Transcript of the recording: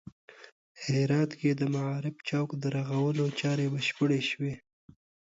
هرات کې د معارف چوک د رغولو چارې بشپړې شوې